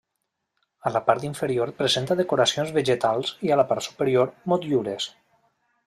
A la part inferior presenta decoracions vegetals i a la part superior, motllures.